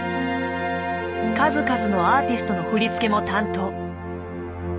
数々のアーティストの振り付けも担当。